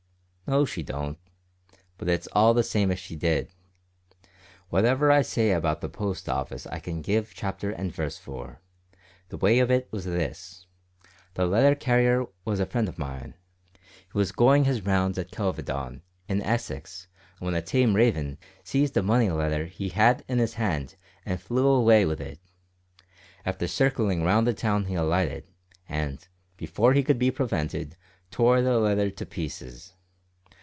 "No, she don't, but it's all the same if she did. Whatever I say about the Post Office I can give chapter and verse for. The way of it was this. The letter carrier was a friend o' mine. He was goin' his rounds at Kelvedon, in Essex, when a tame raven seized a money letter he had in his hand and flew away with it. After circlin' round the town he alighted, and, before he could be prevented, tore the letter to pieces.